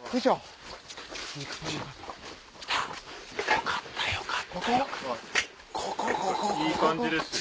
よかったよかったよかった